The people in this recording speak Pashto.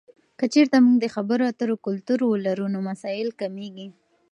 که چیرته موږ د خبرو اترو کلتور ولرو، نو مسایل کمېږي.